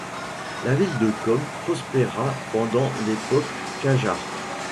La ville de Qom prospéra pendant l'époque Qajare.